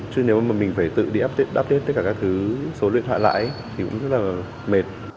chứ nếu mà mình phải tự đi update tất cả các thứ số điện thoại lãi thì cũng rất là mệt